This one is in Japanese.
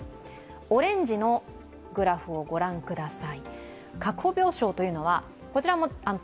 オレンジのグラフを御覧ください。